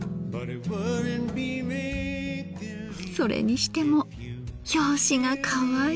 それにしても表紙がかわいい。